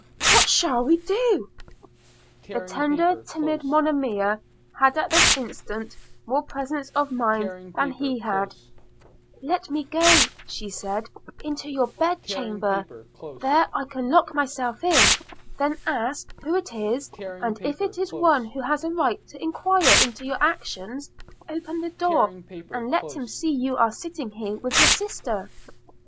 what shall we do?' – The tender timid Monimia had at this instant more presence of mind than he had: 'Let me go,' said she, 'into your bed chamber – there I can lock myself in: then ask who it is; and, if it is one who has a right to enquire into your actions, open the door, and let him see you are sitting here with your sister.'